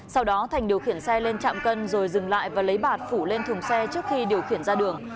sau đó thành điều khiển xe lên chạm cân rồi dừng lại và lấy bạt phủ lên thùng xe trước khi điều khiển ra đường